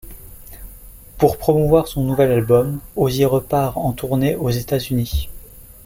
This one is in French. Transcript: Pour promouvoir son nouvel album, Hozier repart en tournée aux Etats-Unis.